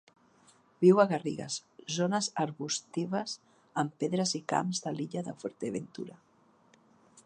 Viu a garrigues, zones arbustives amb pedres i camps de l'illa de Fuerteventura.